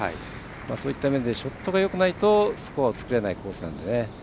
そういった面でショットがよくないとスコアを作れないコースなので。